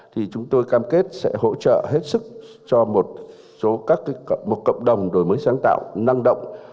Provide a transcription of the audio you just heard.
thì chúng tôi cam kết sẽ hỗ trợ hết sức cho một cộng đồng đổi mới sáng tạo năng động